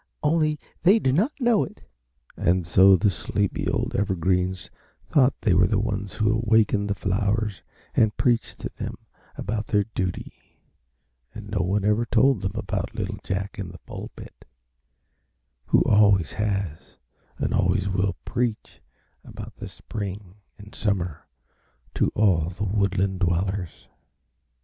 Only they do not know it." And so the sleepy old Evergreens thought they were the ones who awakened the flowers and preached to them about their duty, and no one ever told them about little Jack in the pulpit, who always has and always will preach about the spring and summer to all the woodland dwellers.